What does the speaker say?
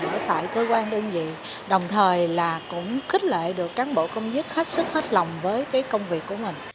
ở tại cơ quan đơn vị đồng thời là cũng khích lệ được cán bộ công chức hết sức hết lòng với cái công việc của mình